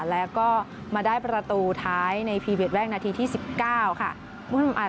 แล้วก็มาได้ประตูท้ายในพีเวทแรกนาทีที่๑๙ค่ะ